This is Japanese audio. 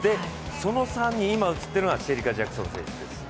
その３人、今映っているのはシェリカ・ジャクソン選手。